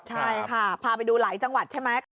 ใช่ค่ะพาไปดูหลายจังหวัดใช่ไหม